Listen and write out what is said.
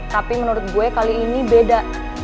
tapi menurut gue kali ini beda